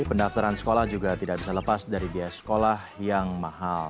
pendaftaran sekolah juga tidak bisa lepas dari biaya sekolah yang mahal